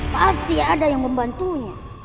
pasti ada yang membantunya